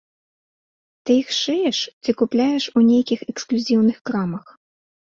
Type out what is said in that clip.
Ты іх шыеш ці купляеш у нейкіх эксклюзіўных крамах?